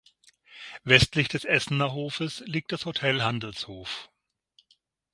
Westlich des Essener Hofes liegt das Hotel Handelshof.